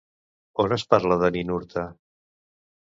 On es parla de Ninurta?